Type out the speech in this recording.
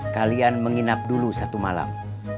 kalian menginap dulu satu malam